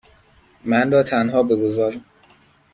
من را تنها بگذار.